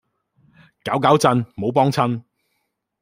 攪攪震，冇幫襯